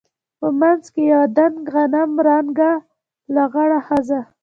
په منځ کښې يوه دنګه غنم رنګه لغړه ښځه.